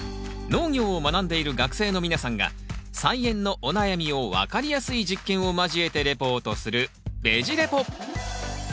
農業を学んでいる学生の皆さんが菜園のお悩みを分かりやすい実験を交えてレポートする「ベジ・レポ」！